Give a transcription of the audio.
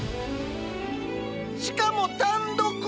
しかも単独！